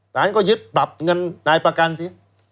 สารก็ยึดปรับเงินนายประกันสิ